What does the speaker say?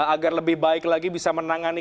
agar lebih baik lagi bisa menangani